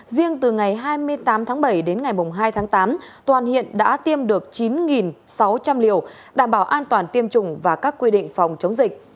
riêng từ ngày hai mươi tám tháng bảy đến ngày hai tháng tám toàn hiện đã tiêm được chín sáu trăm linh liều đảm bảo an toàn tiêm chủng và các quy định phòng chống dịch